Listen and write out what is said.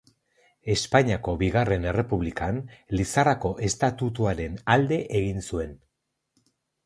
Espainiako Bigarren Errepublikan, Lizarrako estatutuaren alde egin zuen.